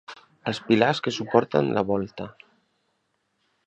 Els pilars que suporten la volta.